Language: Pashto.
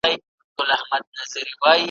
د هجر داغ مي زخم ناصور دی `